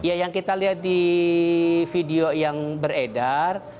ya yang kita lihat di video yang beredar